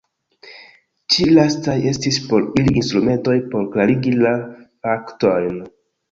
Ĉi lastaj estis por ili instrumentoj por klarigi la faktojn.